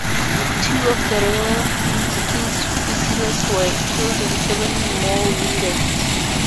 Two of the Royal Inniskilling Fusiliers were killed and seven more wounded.